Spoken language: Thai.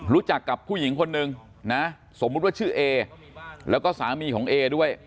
รู้จักกับผู้หญิงคนนึงนะสมมุติว่าชื่อเอแล้วก็สามีของเอด้วย